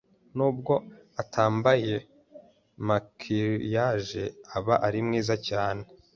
Nubwo atambaye maquillage, aba ari mwiza cyane.